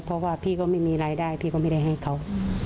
เพราะว่าพี่ก็ไม่มีรายได้พี่ก็ไม่ได้ให้เขา